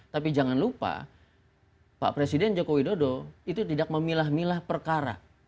tapi jangan lupa pak presiden joko widodo itu tidak memilah milah perkara